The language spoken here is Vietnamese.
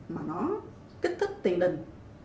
mà nó kích thích tiền đình